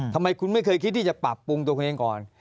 ทำไมคุณไม่เคยคิดที่จะปรับปรุงตัวคุณเองก่อน